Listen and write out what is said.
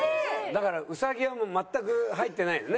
だから兎はもう全く入ってないのね